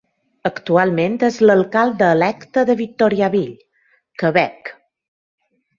Actualment és l'alcalde electe de Victoriaville (Quebec).